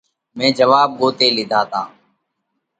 مئين جواٻ ڳوتي لِيڌا تا۔